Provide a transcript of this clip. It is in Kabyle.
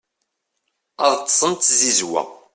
ad ṭṭsen d tzizwa